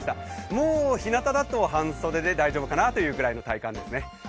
もうひなただと半袖で大丈夫かなという体感ですね。